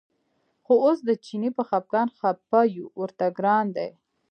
خو اوس د چیني په خپګان خپه یو ورته ګران دی.